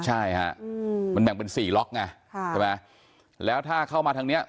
ใช่ฮะมันแบ่งเป็นสี่ล็อกไงค่ะใช่ไหมแล้วถ้าเข้ามาทางเนี้ย